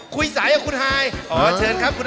คุยสายกับคุณไอโอ้เชิญสายกันคุณ๗๕